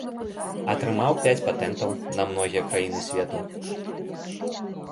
Атрымаў пяць патэнтаў на многія краіны свету.